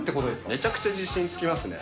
めちゃくちゃ自信つきますね。